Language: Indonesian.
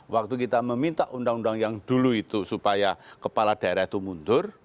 waktu kita meminta undang undang yang dulu itu supaya kepala daerah itu mundur